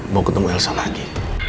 mau ketemu elsa lagi